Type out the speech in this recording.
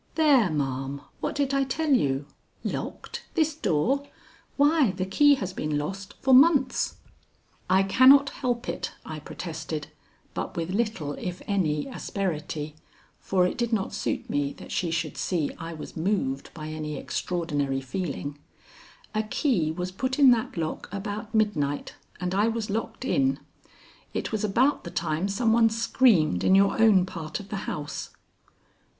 "There, ma'am! What did I tell you? Locked? this door? Why, the key has been lost for months." "I cannot help it," I protested, but with little if any asperity, for it did not suit me that she should see I was moved by any extraordinary feeling. "A key was put in that lock about midnight, and I was locked in. It was about the time some one screamed in your own part of the house."